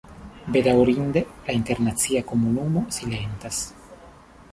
Bedaŭrinde, la internacia komunumo silentas.